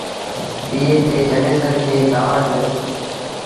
ايئي تي چنيسر کي ڪآوڙ لڳيٚ۔